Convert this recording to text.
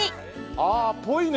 ああっぽいね！